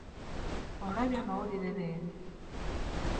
Olabye amawulire leero?